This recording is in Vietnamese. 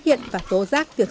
nơi đó chúng ta rất khó khó thích